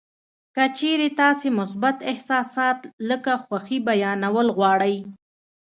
که چېرې تاسې مثبت احساسات لکه خوښي بیانول غواړئ